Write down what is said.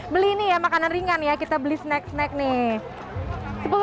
beli nih ya makanan ringan ya kita beli snack snack nih